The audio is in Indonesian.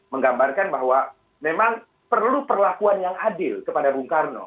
menggambarkan bahwa memang perlu perlakuan yang adil kepada bung karno